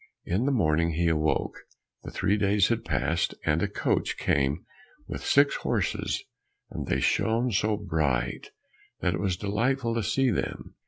In the morning when he awoke, the three days had passed, and a coach came with six horses and they shone so bright that it was delightful to see them!